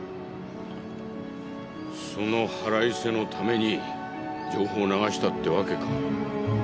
その腹いせのために情報流したってわけか。